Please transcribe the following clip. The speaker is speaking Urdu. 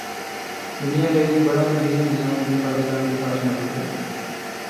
دنیا کا ایک بڑا نہری نظام بھی پاکستان کے پاس موجود ہے